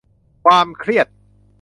ความเครียด